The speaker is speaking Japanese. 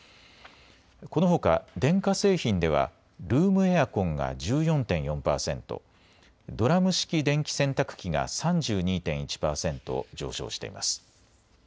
このほか電化製品ではルームエアコンが１４．４％、ドラム式電気洗濯機が３２．１％上昇しています。